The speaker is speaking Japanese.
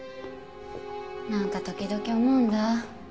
なんか時々思うんだ。